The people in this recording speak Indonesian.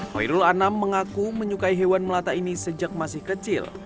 hoirul anam mengaku menyukai hewan melata ini sejak masih kecil